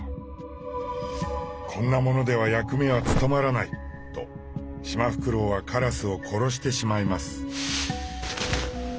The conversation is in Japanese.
「こんな者では役目は務まらない」とシマフクロウはカラスを殺してしまいます。